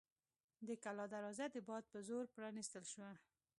د کلا دروازه د باد په زور پرانیستل شوه.